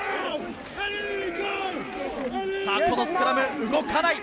このスクラム、動かない。